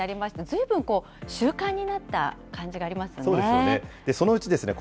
ずいぶん習慣になった感じがありそうですね。